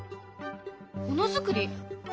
ものづくり？